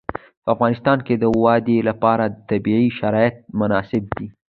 په افغانستان کې د وادي لپاره طبیعي شرایط مناسب دي.